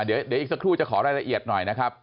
เดี๋ยวอีกสักครู่จะขอรายละเอียดหน่อยนะครับ